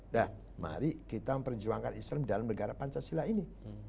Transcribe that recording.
nah mari kita memperjuangkan islam di dalam negara pancasila ini